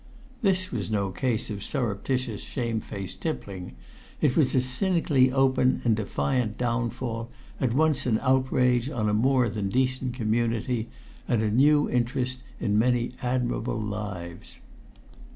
This was no case of surreptitious, shamefaced tippling; it was a cynically open and defiant downfall, at once an outrage on a more than decent community, and a new interest in many admirable lives.